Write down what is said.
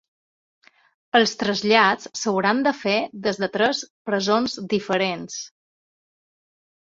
Els trasllats s’hauran de fer des de tres presons diferents.